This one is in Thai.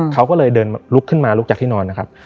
เขาก็เลยเดินลุกขึ้นมาลุกจากที่นอนนะครับ